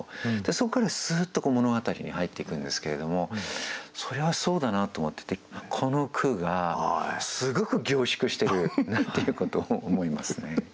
そこからすっと物語に入っていくんですけれどもそれはそうだなと思っててこの句がすごく凝縮してるなっていうことを思いますね。